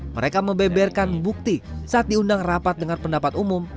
mereka membeberkan bukti saat diundang rapat dengan pendapat umum